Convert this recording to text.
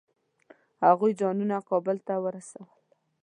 هغوی ځانونه کابل ته ورسول.